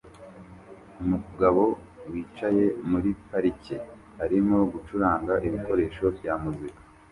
Umugabo wicaye muri parike arimo gucuranga ibikoresho bya muzika